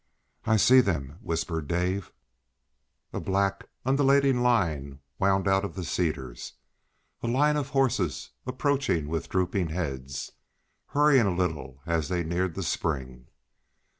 "I see them," whispered Dave. A black, undulating line wound out of the cedars, a line of horses approaching with drooping heads, hurrying a little as they neared the spring.